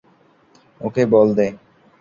Okay ball they.